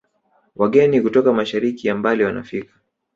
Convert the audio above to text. Wageni kutoka mashariki ya mbali wanafika